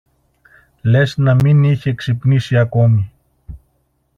Λες να μην είχε ξυπνήσει ακόμη